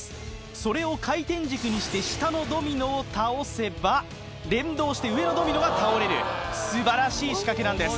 それを回転軸にして下のドミノを倒せば連動して上のドミノが倒れる素晴らしい仕掛けなんです